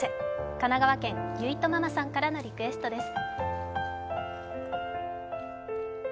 神奈川県・ゆいとママさんからのリクエストです。